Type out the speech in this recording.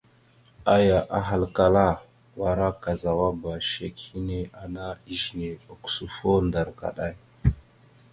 Aya ahalkala: « Wara kazawaba shek hine ana ezine ogǝsufo ndar kaɗay ».